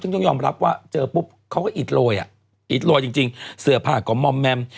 ซึ่งต้องยอมรับว่าเจอปุ๊บเขาก็อิดโรยอ่ะอิดโรยจริงเสื้อผ้าก็มอมแมม